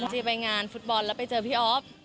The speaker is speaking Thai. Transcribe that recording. จีไปงานฟุตบอลแล้วไปเจอพี่อ๊อฟ